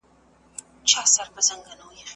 لومړی ډول غوړ تر پوستکي لاندې وي.